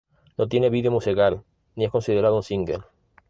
No tiene vídeo musical, ni es considerado un single.